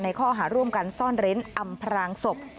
ข้อหาร่วมกันซ่อนเร้นอำพรางศพ